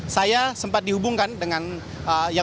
saya sempat dihubungkan dengan